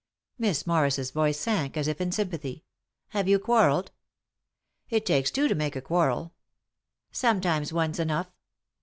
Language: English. Miss Morris's voice sank, as if in sympathy. " Have you quarrelled ?"" It takes two to make a quarrel." "Sometimes one's enough."